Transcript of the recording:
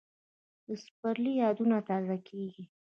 د سپرلي یادونه تازه کېږي